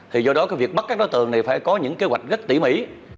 thì do đó cái việc bắt các đối tượng này phải có những kế hoạch rất tỉ mỉ